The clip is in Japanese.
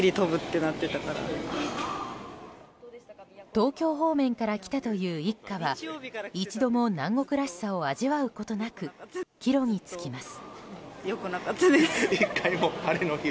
東京方面から来たという一家は一度も、南国らしさを味わうことなく帰路に就きます。